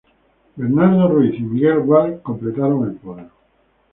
Bernardo Ruiz y Miguel Gual completaron el podio.